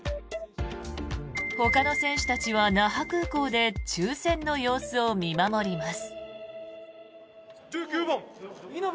ほかの選手たちは那覇空港で抽選の様子を見守ります。